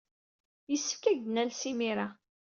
Yessefk ad ak-d-nales imir-a.